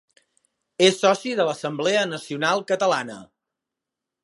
És soci de l'Assemblea Nacional Catalana.